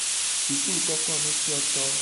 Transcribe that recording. Sukulukokonufioto.